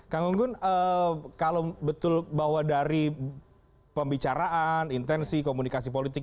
kang gunggun kalau betul bahwa dari pembicaraan intensi komunikasi politik